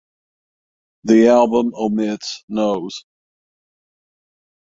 The album omits Nos.